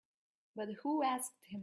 But who asked him?